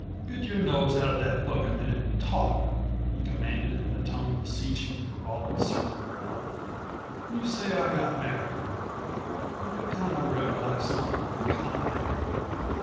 "Get your nose out of that book a minute and talk!" he commanded in a tone beseeching for all its surly growl. "You say I got married. I kinda recollect something of the kind.